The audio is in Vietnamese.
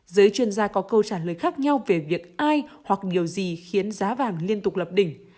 giới chuyên gia có câu trả lời khác nhau về việc ai hoặc nhiều gì khiến giá vàng liên tục lập đỉnh